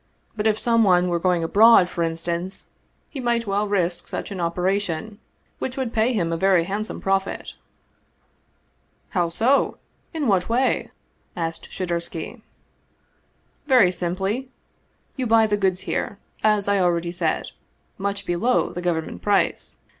But if some one were going abroad, for instance, he might well risk such an operation, which would pay him a very handsome profit." " How so ? In what way ?" asked Shadursky. " Very simply. You buy the goods here, as I already said, much below the government price.